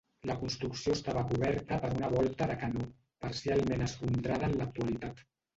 La construcció estava coberta per una volta de canó, parcialment esfondrada en l'actualitat.